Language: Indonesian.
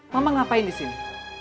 mama ngapain disini